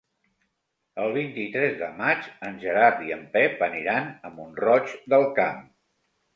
El vint-i-tres de maig en Gerard i en Pep aniran a Mont-roig del Camp.